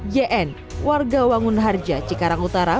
jn warga wangunharja cikarang utara